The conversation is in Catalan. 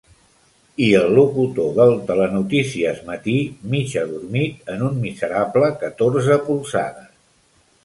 I el locutor del telenotícies matí mig adormit en un miserable catorze polzades.